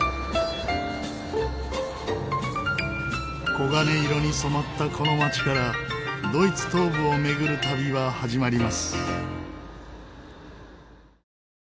黄金色に染まったこの街からドイツ東部を巡る旅は始まります。